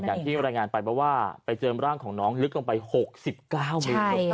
อย่างที่รายงานไปเพราะว่าไปเจอร่างของน้องลึกลงไป๖๙เมตร